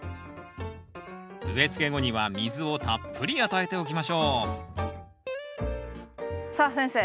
植え付け後には水をたっぷり与えておきましょうさあ先生